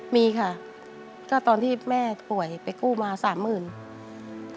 มีค่ะก็ตอนที่แม่ป่วยไปกู้มา๓๐๐๐๐บาท